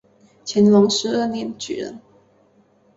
乾隆十二年举人。